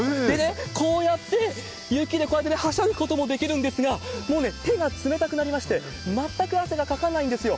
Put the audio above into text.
こうやって、雪でこうやってね、はしゃぐこともできるんですが、もうね、手が冷たくなりまして、全く汗がかかないんですよ。